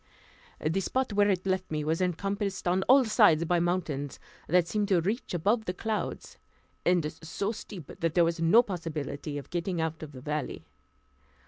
The spot where it left me was encompassed on all sides by mountains, that seemed to reach above the clouds, and so steep that there was no possibility of getting out of the valley.